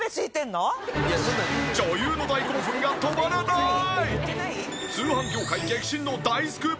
女優の大興奮が止まらない！